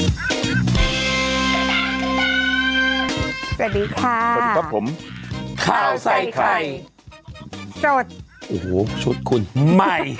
สวัสดีค่ะสวัสดีครับผมข้าวใส่ไข่สดโอ้โหชุดคุณใหม่